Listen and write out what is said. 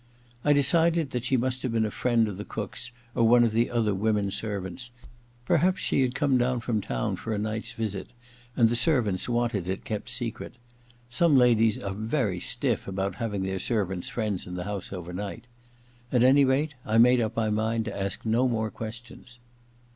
I decided that she must have been a friend of the cook's, or of one of the other women servants ; perhaps she had come down from town for a night's visit, and the servants wanted it kept secret. Some ladies are very stiff about having their servants' friends in the house overnight. At any rate, I made up my mind to ask no more questions.